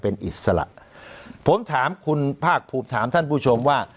เป็นอิสระผมถามคุณภาคภูมิถามท่านผู้ชมว่า